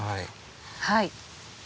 はい。